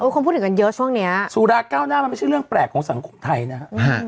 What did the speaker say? คนพูดถึงกันเยอะช่วงนี้สุราเก้าหน้ามันไม่ใช่เรื่องแปลกของสังคมไทยนะฮะ